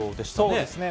そうですね。